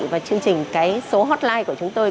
và chương trình số hotline của chúng tôi